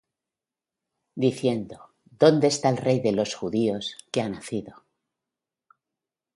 Diciendo: ¿Dónde está el Rey de los Judíos, que ha nacido?